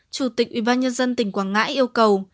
chủ tịch ủy ban nhân dân tỉnh quảng ngãi yêu cầu